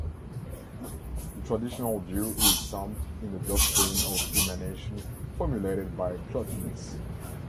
The traditional view is summed in the doctrine of emanation formulated by Plotinus.